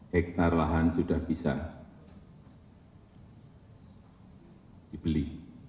tiga puluh empat hektare lahan sudah bisa dibeli